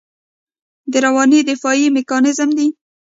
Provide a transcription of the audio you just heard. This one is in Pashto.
دا رواني دفاعي میکانیزم دی.